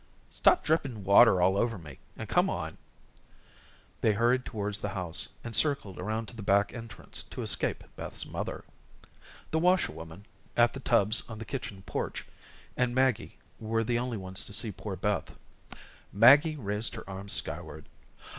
"Stop dripping water all over me and come on." They hurried towards the house, and circled around to the back entrance to escape Beth's mother. The washerwoman, at the tubs on the kitchen porch, and Maggie were the only ones to see poor Beth. Maggie raised her arms skyward.